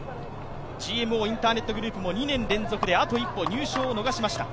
ＧＭＯインターネットグループも２年連続であと一歩入賞を逃しました。